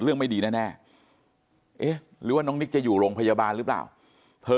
ไม่ดีแน่เอ๊ะหรือว่าน้องนิกจะอยู่โรงพยาบาลหรือเปล่าเธอ